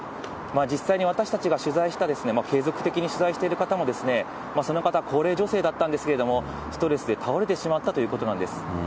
実際に私たちが取材した継続的に取材している方も、その方は高齢女性だったんですけれども、ストレスで倒れてしまったということなんです。